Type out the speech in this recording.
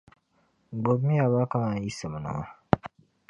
Gbibimi ya ba ka mani yi simnima.